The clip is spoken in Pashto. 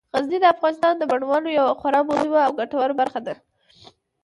غزني د افغانستان د بڼوالۍ یوه خورا مهمه او ګټوره برخه ده.